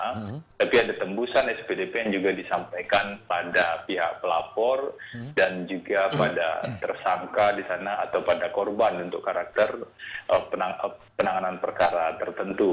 tapi ada tembusan spdp yang juga disampaikan pada pihak pelapor dan juga pada tersangka di sana atau pada korban untuk karakter penanganan perkara tertentu